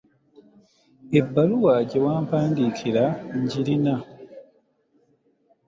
Ebbaluwa gye wampandiikira ngirina.